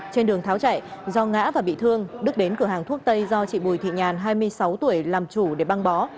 trên đường tháo chạy do ngã và bị thương đức đến cửa hàng thuốc tây do chị bùi thị nhàn hai mươi sáu tuổi làm chủ để băng bó